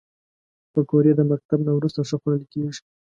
پکورې د مکتب نه وروسته ښه خوړل کېږي